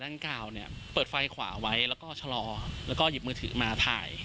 ดังกล่าวเนี่ยเปิดไฟขวาไว้แล้วก็ชะลอแล้วก็หยิบมือถือมาถ่าย